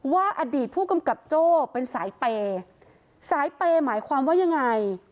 ว่าอดีตผู้กำกับโจ้เป็นสายเปย์สายเปย์หมายความว่ายังไง